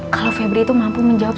kalau febri itu mampu menjawab